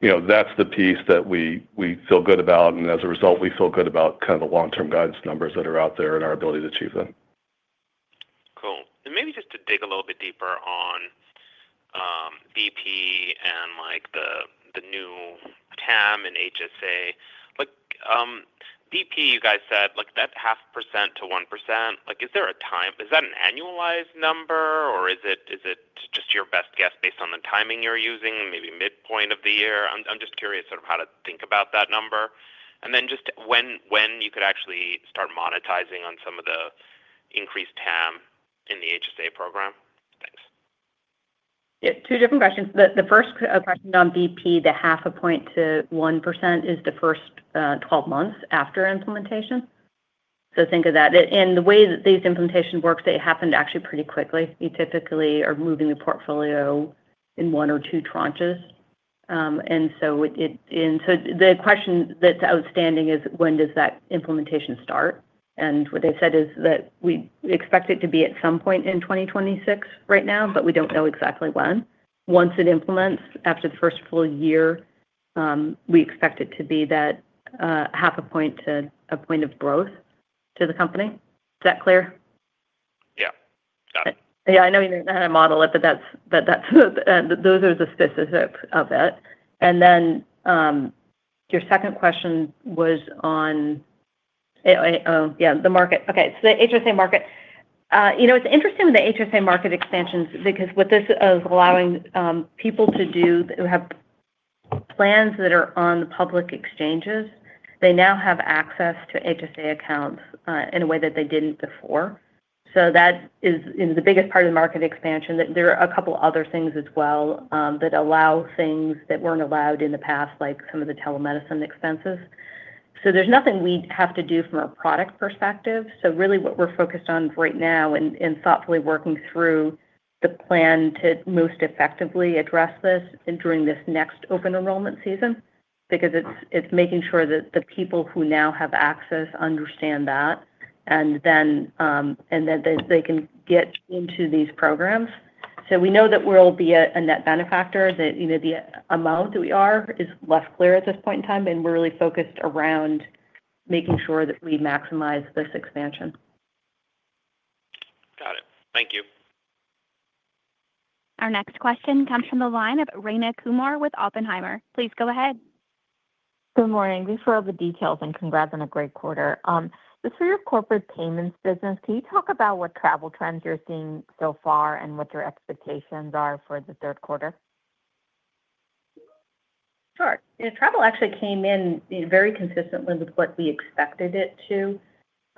S4: that's the piece that we feel good about. And as a result, we feel good about kind of the long term guidance numbers that are out there and our ability to achieve them.
S8: Cool. And maybe just to dig a little bit deeper on, VP and, like, the the new TAM and HSA. Like, VP, you guys said, like, that half percent to 1%. Like, is there a time is that an annualized number? Or is it is it just your best guess based on the timing you're using, maybe midpoint of the year? I'm I'm just curious sort of how to think about that number. And then just when you could actually start monetizing on some of the increased TAM in the HSA program? Thanks.
S3: Yes. Two different questions. The first question on BP, the 0.5 to 1% is the first twelve months after implementation. So think of that. And the way that these implementation works, they happened actually pretty quickly. We typically are moving the portfolio in one or two tranches. And so with it into the question that's outstanding is when does that implementation start? And what they said is that we expect it to be at some point in 2026 right now, but we don't know exactly when. Once it implements after the first full year, we expect it to be that half a point to a point of growth to the company. Is that clear?
S8: Yeah. Got it.
S3: Yeah. I know you didn't know how to model it, but that's but that's those are the specifics of that. And then your second question was on yeah. The market. Okay. So the HSA market. You know, it's interesting with the HSA market extensions because with this of allowing people to do who have plans that are on the public exchanges, they now have access to HSA accounts, in a way that they didn't before. So that is in the biggest part of the market expansion that there are a couple other things as well, that allow things that weren't allowed in the past, like some of the telemedicine expenses. So there's nothing we'd have to do from a product perspective. So really what we're focused on right now and and thoughtfully working through the plan to most effectively address this during this next open enrollment season because it's it's making sure that the people who now have access understand that, and then, and that they they can get into these programs. So we know that we'll be a a net benefactor that, you know, the amount that we are is less clear at this point in time, and we're really focused around making sure that we maximize this expansion.
S8: Got it. Thank you.
S1: Our next question comes from the line of Rayna Kumar with Oppenheimer. Please go ahead.
S9: Good morning. Thanks for all the details and congrats on a great quarter. Just for your corporate payments business, can you talk about what travel trends you're seeing so far and what your expectations are for the third quarter?
S3: Sure. Yeah. Travel actually came in very consistently with what we expected it to.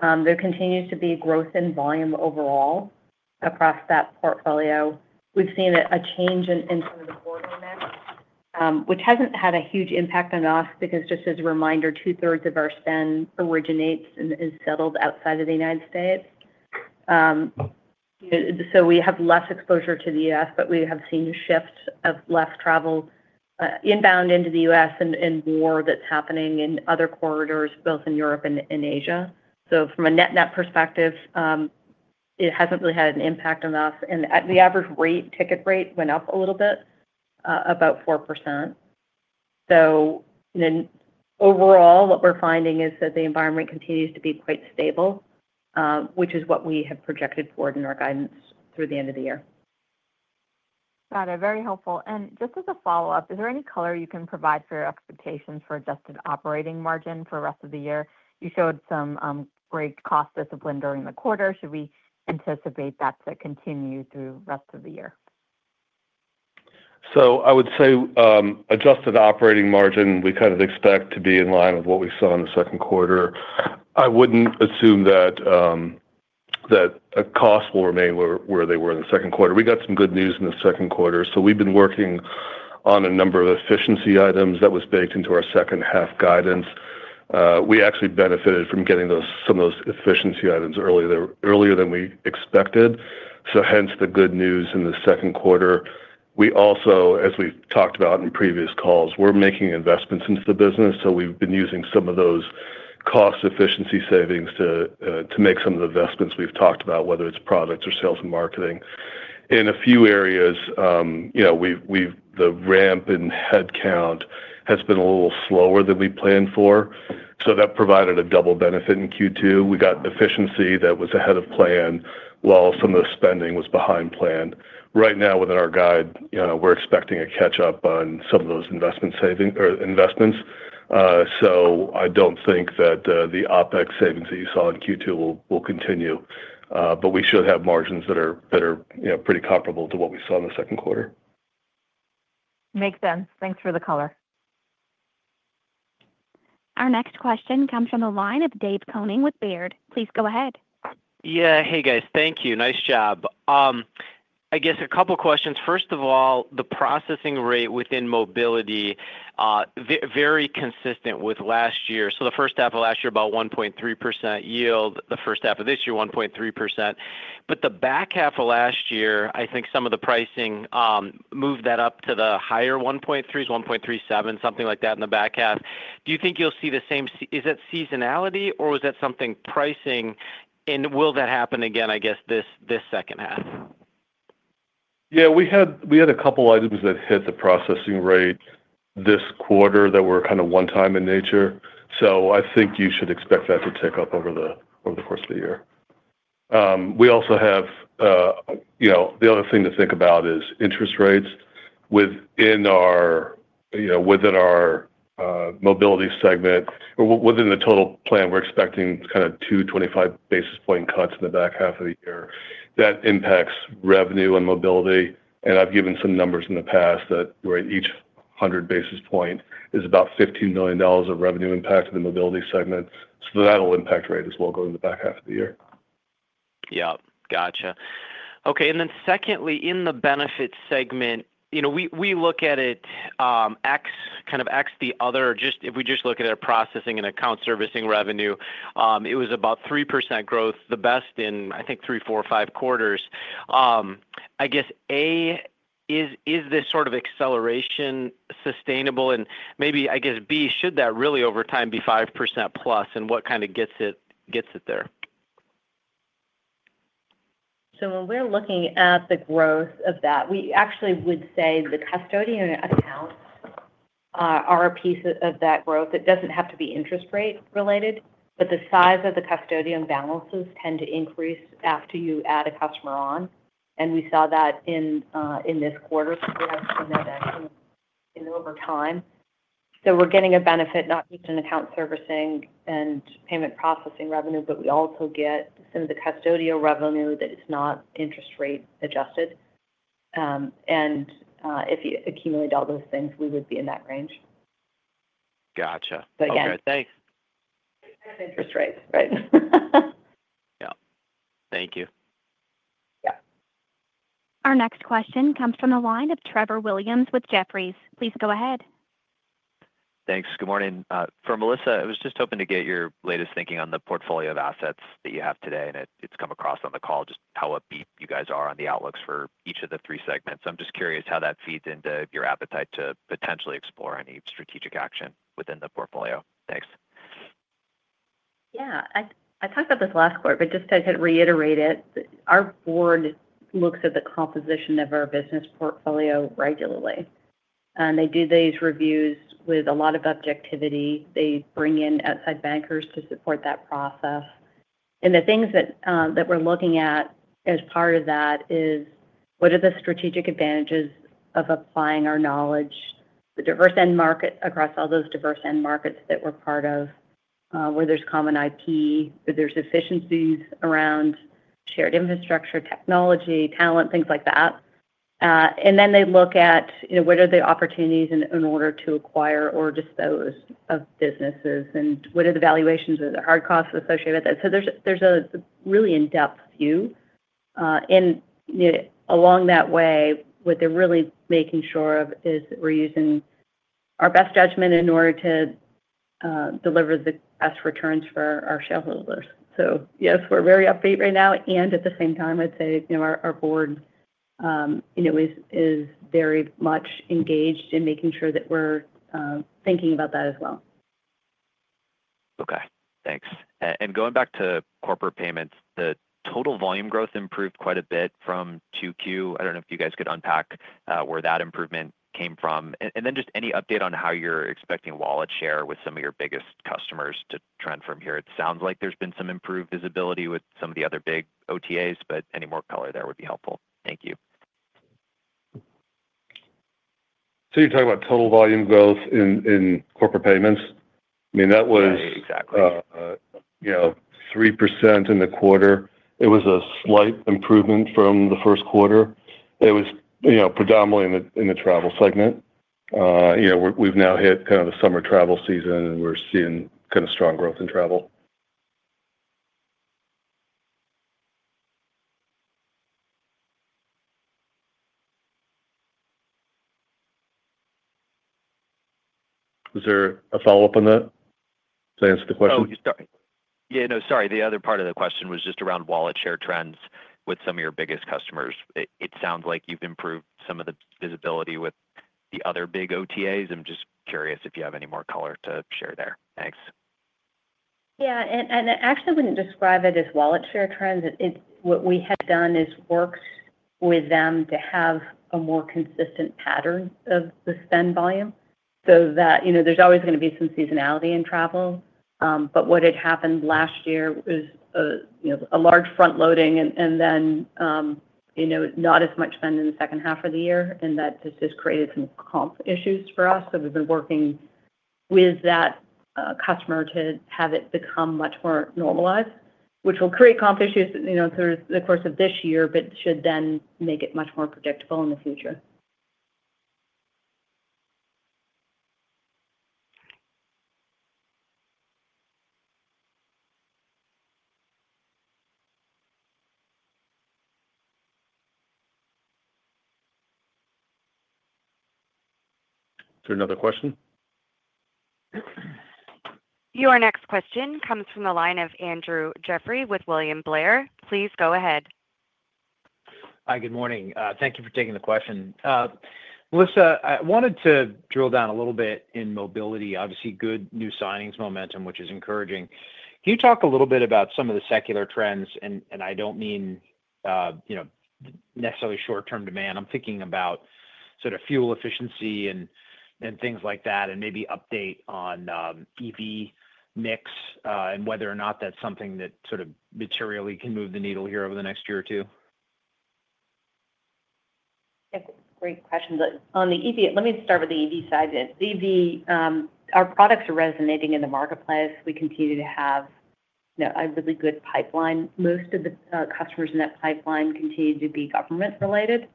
S3: There continues to be growth in volume overall across that portfolio. We've seen a change in in some of the core NIM, which hasn't had a huge impact on us because just as a reminder, two thirds of our spend originates and is settled outside of The United States. So we have less exposure to The US, but we have seen a shift of less travel inbound into The US and and more that's happening in other corridors both in Europe and in Asia. So from a net net perspective, it hasn't really had an impact on us. And at the average rate, ticket rate went up a little bit, about 4%. So then overall, what we're finding is that the environment continues to be quite stable, which is what we have projected forward in our guidance through the end of the year.
S9: Got it. Very helpful. And just as a follow-up, is there any color you can provide for your expectations for adjusted operating margin for the rest of the year? You showed some great cost discipline during the quarter. Should we anticipate that to continue through rest of the year?
S4: So I would say adjusted operating margin we kind of expect to be in line with what we saw in the second quarter. I wouldn't assume that costs will remain where they were in the second quarter. We got some good news in the second quarter. So we've been working on a number of efficiency items that was baked into our second half guidance. We actually benefited from getting those some of those efficiency items earlier than we expected. So hence the good news in the second quarter. We also as we've talked about in previous calls, we're making investments into the business. So we've been using some of those cost efficiency savings to make some of the investments we've talked about whether it's products or sales and marketing. In a few areas, we've the ramp in headcount has been a little slower than we planned for. So that provided a double benefit in Q2. We got efficiency that was ahead of plan, while some of the spending was behind plan. Right now within our guide, we're expecting a catch up on some of those investments. So I don't think that the OpEx savings that you saw in Q2 will continue. But we should have margins that pretty comparable to what we saw in the second quarter.
S9: Makes sense. Thanks for the color.
S1: Our next question comes from the line of Dave Koning with Baird. Please go ahead.
S10: Yes. Hey, guys. Thank you. Nice job. I guess a couple of questions. First of all, the processing rate within mobility, very consistent with last year. So the first half of last year about 1.3% yield, the first half of this year 1.3%. But the back half of last year, I think some of the pricing moved that up to the higher 1.3%, 1.37 something like that in the back half. Do you think you'll see the same is that seasonality? Or was that something pricing? And will that happen again I guess this second half?
S4: Yes. We had a couple of items that hit the processing rate this quarter that were kind of one time in nature. So I think you should expect that to tick up over the course of the year. We also have you know, the other thing to think about is interest rates within our, you know, within our mobility segment. Within the total plan, we're expecting kind of two twenty five basis point cuts in the back half of the year. That impacts revenue and mobility. And I've given some numbers in the past that where each 100 basis point is about $15,000,000 of revenue impact to the mobility segment. So that will impact rate as well going to back half of the year.
S10: Yep. Gotcha. Okay. And then secondly, in the benefits segment, we look at it ex kind of ex the other, just if we just look at our processing and account servicing revenue, it was about 3% growth, the best in, I think, three, four, five quarters. I guess, a, is is this sort of acceleration sustainable? And maybe, I guess, b, should that really over time be 5% plus? And what kinda gets it gets it there?
S3: So when we're looking at the growth of that, we actually would say the custodian accounts are a piece of that growth. It doesn't have to be interest rate related, but the size of the custodian balances tend to increase after you add a customer on. And we saw that in, in this quarter's growth and then that over time. So we're getting a benefit not just in account servicing and payment processing revenue, but we also get some of the custodial revenue that is not interest rate adjusted. And, if you accumulate all those things, we would be in that range.
S10: Gotcha. Okay. Thanks.
S3: Interest rates. Right.
S10: Yeah. Thank you.
S11: Yeah.
S1: Our next question comes from the line of Trevor Williams with Jefferies. Please go ahead.
S11: Thanks. Good morning. For Melissa, I was just hoping to get your latest thinking on the portfolio of assets that you have today and it's come across on the call just how upbeat you guys are on the outlooks for each of the three segments. I'm just curious how that feeds into your appetite to potentially explore any strategic action within the portfolio? Thanks.
S3: Yeah. I I talked about this last quarter, but just to kind of reiterate it, our board looks at the composition of our business portfolio regularly. And they do these reviews with a lot of objectivity. They bring in outside bankers to support that process. And the things that that we're looking at as part of that is what are the strategic advantages of applying our knowledge, the diverse end market across all those diverse end markets that we're part of, where there's common IP, where there's efficiencies around shared infrastructure, technology, talent, things like that. And then they look at what are the opportunities in order to acquire or dispose of businesses, and what are the valuations or the hard costs associated with that. So there's there's a really in-depth view. And along that way, what they're really making sure of is we're using our best judgment in order to deliver the best returns for our shareholders. So, yes, we're very upbeat right now. And at the same time, I'd say, you know, our our board, you know, is is very much engaged in making sure that we're, thinking about that as well.
S11: Okay. Thanks. And going back to corporate payments, the total volume growth improved quite a bit I don't know if you guys could unpack where that improvement came from. And then just any update on how you're expecting wallet share with some of your biggest customers to trend from here? It sounds like there's been some improved visibility with some of the other big OTAs, but any more color there would be helpful. Thank you.
S4: So you're talking about total volume growth in corporate payments. I mean that was 3% in the quarter. It was a slight improvement from the first quarter. It was you know, predominantly in the in the travel segment. You know, we're we've now hit kind of the summer travel season, and we're seeing kind of strong growth in travel. Was there a follow-up on that? Does that answer the question?
S11: Yes. No, sorry. The other part of the question was just around wallet share trends with some of your biggest customers. It sounds like you've improved some of the visibility with the other big OTAs. I'm just curious if you have any more color to share there. Thanks.
S3: Yeah. And and I actually wouldn't describe it as wallet share trends. It's what we have done is works with them to have a more consistent pattern of the spend volume so that, you know, there's always gonna be some seasonality in travel. But what had happened last year is, you know, a large front loading and and then, you know, not as much spend in the second half of the year, and that this has created some comp issues for us. So we've been working with that customer to have it become much more normalized, which will create comp issues, you know, through the course of this year, but should then make it much more predictable in the future.
S2: Is there another question?
S1: Your next question comes from the line of Andrew Jeffrey with William Blair. Please go ahead.
S12: Hi, good morning. Thank you for taking the question. Melissa, I wanted to drill down a little bit in mobility. Obviously, good new signings momentum, which is encouraging. Can you talk a little bit about some of the secular trends? And I don't mean necessarily short term demand. I'm thinking about sort of fuel efficiency and things like that and maybe update on EV mix and whether or not that's something that sort of materially can move the needle here over the next year or two?
S3: Great question. But on the EV let me start with the EV side then. EV our products are resonating in the marketplace. We continue to have, you know, a really good pipeline. Most of the customers in that pipeline continue to be government related.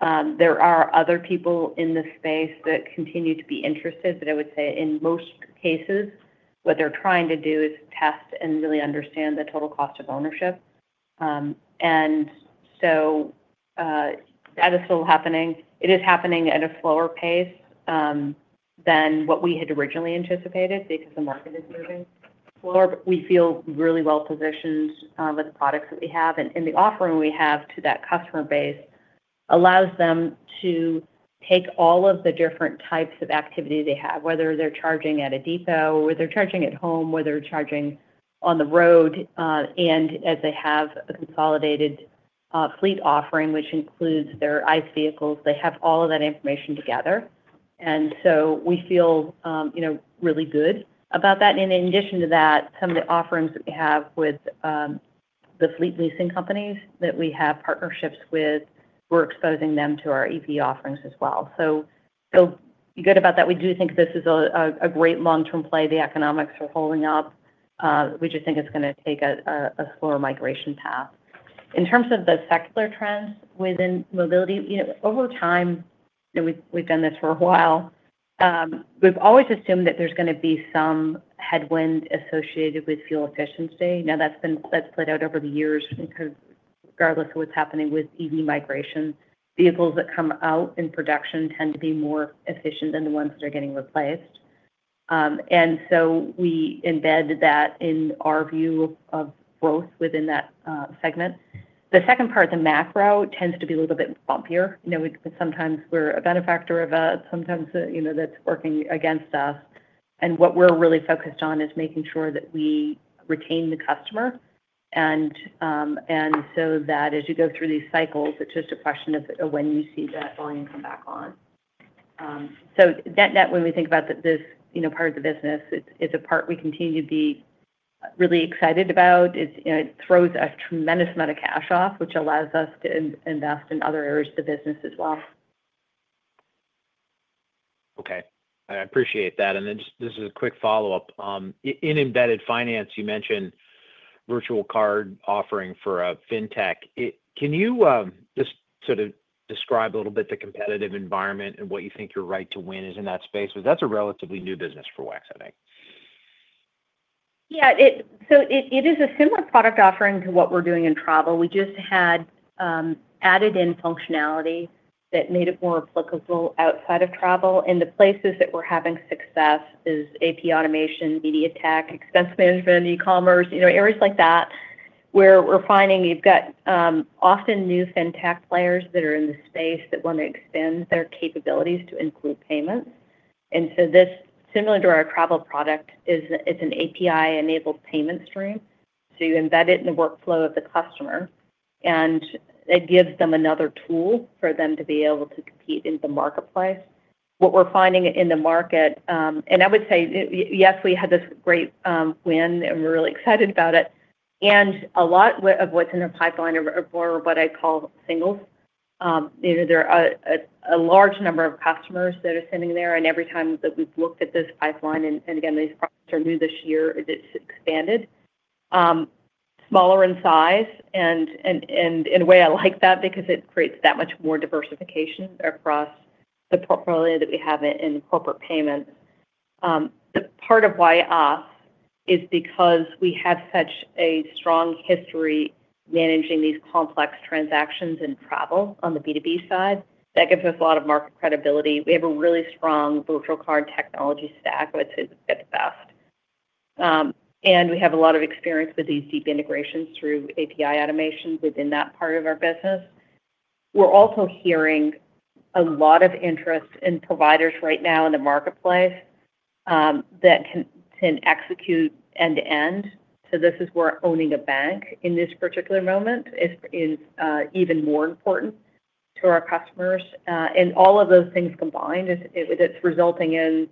S3: There are other people in the space that continue to be interested, but I would say in most cases, what they're trying to do is test and really understand the total cost of ownership. And so that is still happening. It is happening at a slower pace than what we had originally anticipated because the market is moving slower. We feel really well positioned with the products that we have, and and the offering we have to that customer base allows them to take all of the different types of activity they have, whether they're charging at a depot, whether they're charging at home, whether they're charging on the road. And as they have the consolidated fleet offering, which includes their ICE vehicles, they have all of that information together. And so we feel, you know, really good about that. And in addition to that, some of the offerings that we have with, the fleet leasing companies that we have partnerships with, we're exposing them to our EP offerings as well. So so good about that. We do think this is a a great long term play. The economics are holding up. We just think it's gonna take a a a slower migration path. In terms of the secular trends within mobility, you know, over time, and we've we've done this for a while, we've always assumed that there's gonna be some headwind associated with fuel efficiency. Now that's been that's played out over the years because regardless of what's happening with EV migration, vehicles that come out in production tend to be more efficient than the ones that are getting replaced. And so we embed that in our view of growth within that, segment. The second part, the macro tends to be a little bit bumpier. You know, we sometimes we're a benefactor of that. Sometimes, you know, that's working against us. And what we're really focused on is making sure that we retain the customer. And and so that as you go through these cycles, it's just a question of when you see that volume come back on. So that that when we think about this, you know, part of the business, it's it's a part we continue to be really excited about. It throws a tremendous amount of cash off, which allows us to invest in other areas of the business as well.
S12: Okay. I appreciate that. And then just this is a quick follow-up. In embedded finance, you mentioned virtual card offering for a FinTech. Can you, just sort of describe a little bit the competitive environment and what you think your right to win is in that space? Because that's a relatively new business for WEX, I think.
S3: Yeah. It so it it is a similar product offering to what we're doing in travel. We just had, added in functionality that made it more applicable outside of travel. And the places that we're having success is AP automation, media tech, expense management, ecommerce, you know, areas like that where we're finding you've got, often new fintech players that are in the space that wanna extend their capabilities to include payments. And so this similar to our travel product is it's an API enabled payment stream. So you embed it in the workflow of the customer, and it gives them another tool for them to be able to compete in the marketplace. What we're finding in the market and I would say, yes, we had this great win, and we're really excited about it. And a lot of what's in the pipeline of of what I call singles, you know, there are a large number of customers that are sitting there, and every time that we've looked at this pipeline and and, again, these products are new this year, it's expanded. Smaller in size, and and and in a way, like that because it creates that much more diversification across the portfolio that we have in in corporate payments. The part of why us is because we have such a strong history managing these complex transactions and travel on the b two b side. That gives us a of market credibility. We have a really strong virtual card technology stack, which is at the best. And we have a lot of experience with these deep integrations through API automations within that part of our business. We're also hearing a lot of interest in providers right now in the marketplace, that can can execute end to end. So this is where owning a bank in this particular moment is is, even more important to our customers. And all of those things combined is is that's resulting in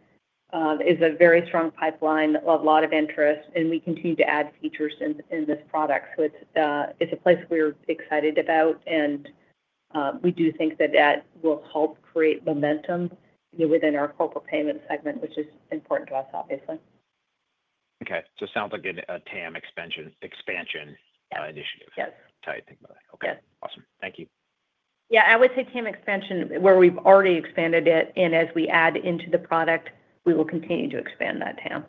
S3: is a very strong pipeline of lot of interest, and we continue to add features in in this product. So it's it's a place we're excited about, and we do think that that will help create momentum within our corporate payment segment, which is important to us, obviously.
S12: Okay. So sounds like a TAM expansion expansion initiative Yes. Type thing. Awesome. Thank you.
S3: Yeah. I would say TAM expansion where we've already expanded it and as we add into the product we will continue to expand that TAM.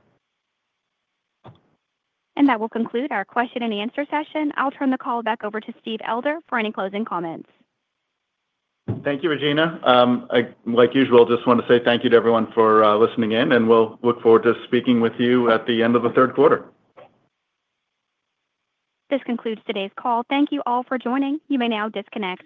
S1: And that will conclude our question and answer session. I'll turn the call back over to Steve Elder for any closing comments.
S2: Thank you, Regina. Like usual, I just want to say thank you to everyone for listening in and we'll look forward to speaking with you at the end of the third quarter.
S1: This concludes today's call. Thank you all for joining. You may now disconnect.